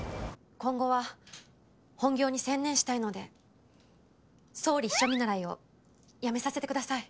今後は本業に専念したいので総理秘書見習いを辞めさせてください。